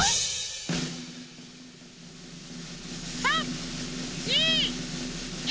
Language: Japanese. ３２１。